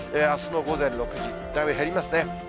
あすの午前６時、だいぶ減りますね。